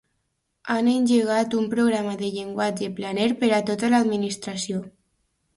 Han engegat un programa de llenguatge planer per a tota l'Administraci